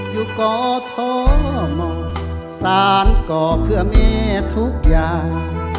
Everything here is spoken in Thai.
อยู่กอทมสารก่อเพื่อแม่ทุกอย่าง